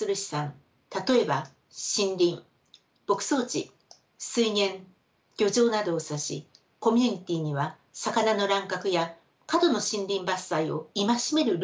例えば森林牧草地水源漁場などを指しコミュニティーには魚の乱獲や過度の森林伐採を戒めるルールがありました。